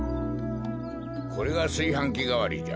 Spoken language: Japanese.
これがすいはんきがわりじゃ。